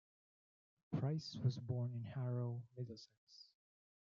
Price was born in Harrow, Middlesex.